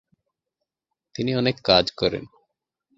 তিনি অনেক কাজ করেন।